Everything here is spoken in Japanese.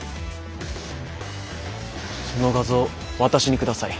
その画像私に下さい。